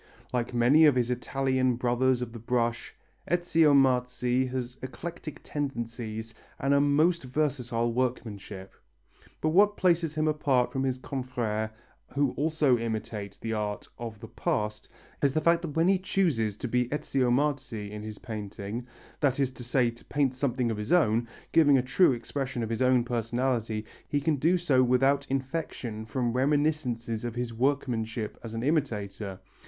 Like many of his Italian brothers of the brush, Ezio Marzi has eclectic tendencies and a most versatile workmanship. But what places him apart from his confrères who also imitate the art of the past, is the fact that when he chooses to be Ezio Marzi in his painting, that is to say to paint something of his own, giving a true expression of his own personality, he can do so without infection from reminiscences of his workmanship as an imitator.